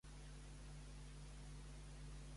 Què estan fent els protagonistes quan albiren a Godzilla?